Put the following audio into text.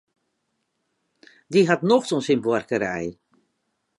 Dy hat nocht oan syn buorkerij.